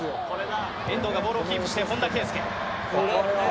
遠藤がボールをキープして本田圭佑。